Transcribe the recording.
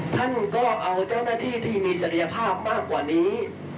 ท่านก็เอาเจ้าหน้าที่ที่มีศักยภาพมากกว่านี้